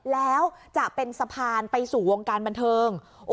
แล้วจะเป็นสะพานไปสู่วงการบันเทิง